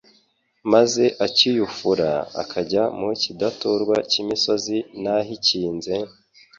maze akiyufura akajya mu kidaturwa cy'imisozi n'ahikinze,